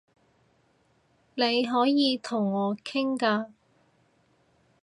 你可以同我傾㗎